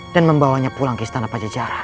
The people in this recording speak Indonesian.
dan membawanya pulang ke istana pajajaran